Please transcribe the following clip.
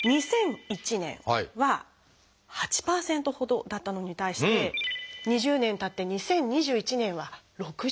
２００１年は８％ほどだったのに対して２０年たって２０２１年は６０％。